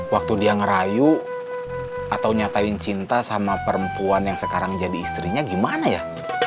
waktu dia ngerayu atau nyatain cinta sama perempuan yang sekarang jadi istrinya gimana ya